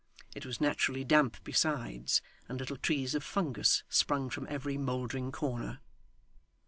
It was naturally damp besides, and little trees of fungus sprung from every mouldering corner.